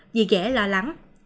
dì ghẻ lo lắng